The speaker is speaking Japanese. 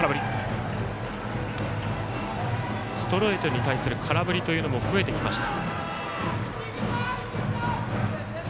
ストレートに対する空振りというのも増えてきました。